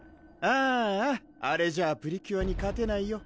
あれじゃプリキュアに勝てないよ